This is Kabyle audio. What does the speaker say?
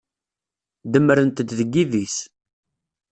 Demmrent-d deg yidis.